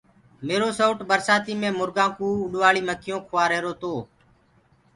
ميرو سئوُٽ برسآتي مي مرگآ ڪوُ اُڏوآݪيٚ مکيونٚ کوآ رهيرو تو۔